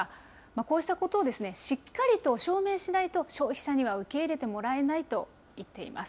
こうしたことをしっかりと証明しないと、消費者には受け入れてもらえないと言っています。